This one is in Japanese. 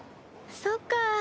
そっか。